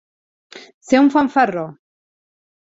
Ser un fanfarró.